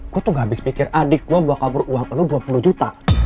aku tuh gak habis pikir adik gue bawa kabur uang lo dua puluh juta